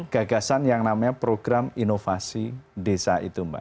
gagasan yang namanya program inovasi desa itu mbak